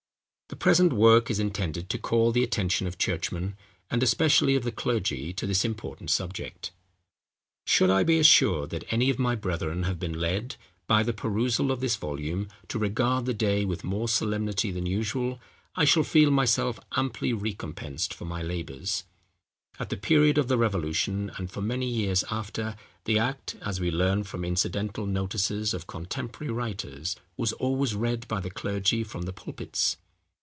The present work is intended to call the attention of churchmen, and especially of the clergy, to this important subject. Should I be assured, that any of my brethren have been led, by the perusal of this volume, to regard the day with more solemnity than usual, I shall feel myself amply recompensed for my labours. At the period of the Revolution, and for many years after, the act, as we learn from incidental notices of contemporary writers, was always read by the clergy from the pulpits.